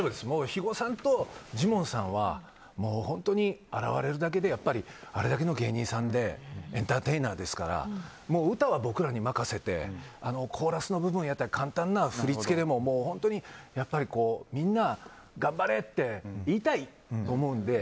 肥後さんとジモンさんは現れるだけであれだけの芸人さんでエンターテイナーですから歌は僕らに任せてコーラスの部分やったり簡単な振り付けでもみんな頑張れ！って言いたいと思うので。